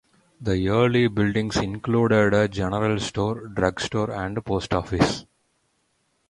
The early buildings included a general store, drug store, and post office.